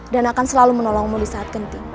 dan akan selalu menolongmu di saat ganti